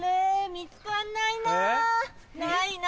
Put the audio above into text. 見つかんないな・ないな